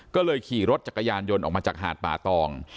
ก็เลยขี่รถจักรยานยนต์ออกมาจากหาดป่าตอง